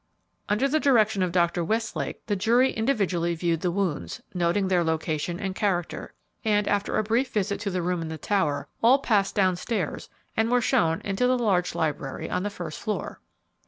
Under the direction of Dr. Westlake, the jury individually viewed the wounds, noting their location and character, and, after a brief visit to the room in the tower, all passed downstairs and were shown into the large library on the first floor.